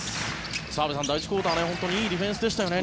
澤部さん、第１クオーターいいディフェンスでしたよね。